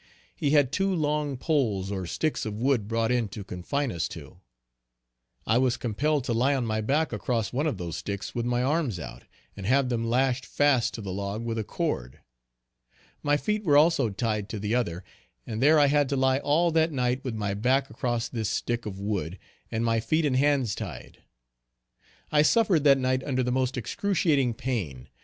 He had two long poles or sticks of wood brought in to confine us to. I was compelled to lie on my back across one of those sticks with my arms out, and have them lashed fast to the log with a cord. My feet were also tied to the other, and there I had to lie all that night with my back across this stick of wood, and my feet and hands tied. I suffered that night under the most excruciating pain.